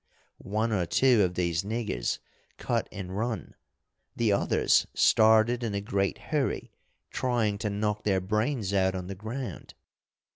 One or two of these niggers cut and run, the others started in a great hurry trying to knock their brains out on the ground.